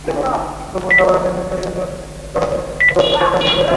তবু সাভারে ট্যানারি সরিয়ে নেওয়ার বিশেষ কোনো তাড়া নেই হাজারীবাগের ট্যানারিগুলোতে।